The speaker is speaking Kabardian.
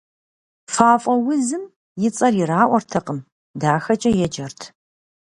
Фафӏэ узым и цӏэ ираӏуэртэкъым, «дахэкӏэ» еджэрт.